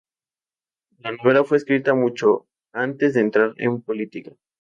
La novela fue escrita mucho antes de entrar en política.